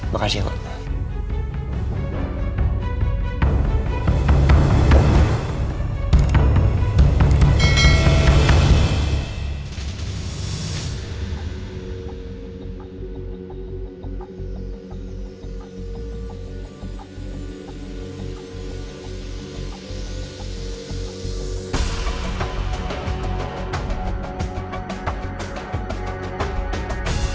makasih ya pak